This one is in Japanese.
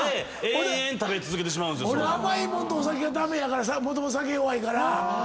俺甘いもんとお酒が駄目やからもともと酒弱いから。